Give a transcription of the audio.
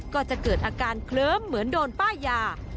ก็จะเกิดอาการเคลิ้มเหมือนโดนป้ายา